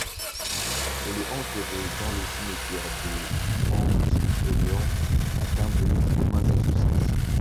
Elle est enterré dans le cimetière de Mount Auburn à Cambridge au Massachusetts.